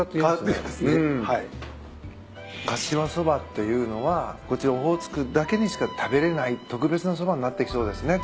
かしわそばっていうのはこちらオホーツクだけでしか食べれない特別なそばになっていきそうですね